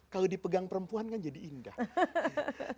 kalau dipegang perempuan kan jadi indah